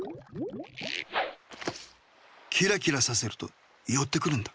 キラキラさせるとよってくるんだ。